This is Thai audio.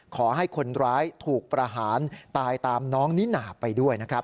ขอให้คนร้ายถูกประหารตายตามน้องนิน่าไปด้วยนะครับ